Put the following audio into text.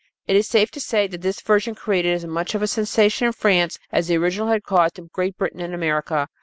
It is safe to say that this version created as much of a sensation in France as the original had caused in Great Britain and America.